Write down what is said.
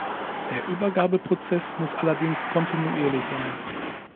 Der Übergabeprozess muss allerdings kontinuierlich sein.